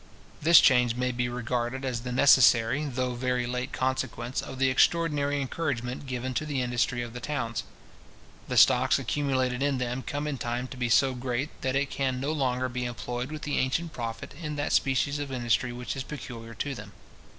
This change may be regarded as the necessary, though very late consequence of the extraordinary encouragement given to the industry of the towns. The stocks accumulated in them come in time to be so great, that it can no longer be employed with the ancient profit in that species of industry which is peculiar to them.